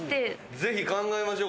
ぜひ考えましょう。